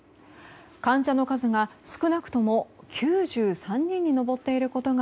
患者の数が少なくとも９３人に上っていることが